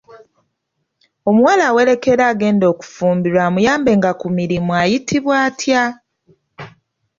Omuwala awerekera agenda okufumbirwa amuyambenga ku mirimu ayitibwa atya?